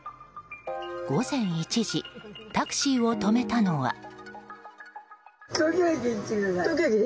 午前１時タクシーを止めたのは。